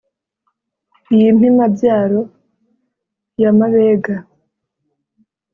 iyi mpima-byaro ya mabega,